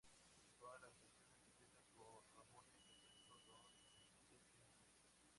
Todas las canciones escritas por Ramones, excepto donde se indica.